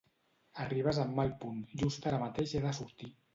Arribes en mal punt. Just ara mateix he de sortir.